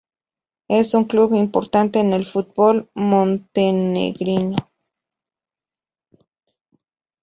Es un club importante en el fútbol montenegrino.